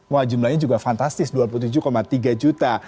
wah jumlahnya juga fantastis dua puluh tujuh tiga juta